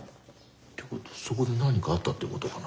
ってことはそこで何かあったってことかな？